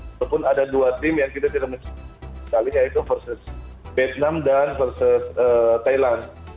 ataupun ada dua tim yang kita tidak mencari yaitu versus vietnam dan versus thailand